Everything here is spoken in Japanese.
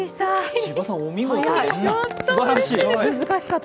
千葉さん、お見事でした。